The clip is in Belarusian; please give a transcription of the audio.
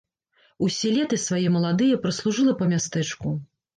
Усе леты свае маладыя праслужыла па мястэчку.